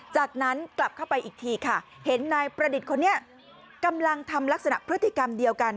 จากนั้นกลับเข้าไปอีกทีค่ะเห็นนายประดิษฐ์คนนี้กำลังทำลักษณะพฤติกรรมเดียวกัน